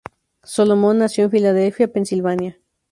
Solomon nació en Filadelfia, Pennsylvania.